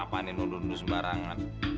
apaan ini nundun nundun sembarangan